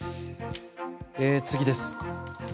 次です。